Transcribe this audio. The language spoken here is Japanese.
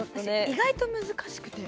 意外と難しくて。